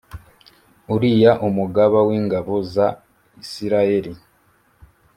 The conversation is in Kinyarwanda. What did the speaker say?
Uriya umugaba w’ ingabo za Isirayeli